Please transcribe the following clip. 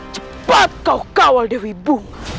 cepat kau kawal dewi bu